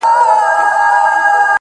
كه زړه يې يوسې و خپل كور ته گراني ـ